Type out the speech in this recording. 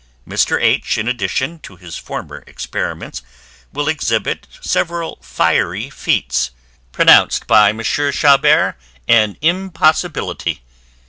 Mr. H. in addition to his former experiments will exhibit several fiery feats, pronounced by Mons. Chabert an IMPOSSIBILITY.